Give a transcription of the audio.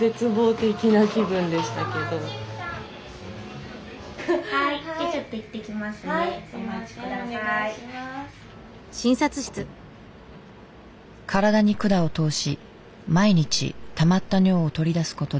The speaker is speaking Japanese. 体に管を通し毎日たまった尿を取り出す事で命をつないでいる。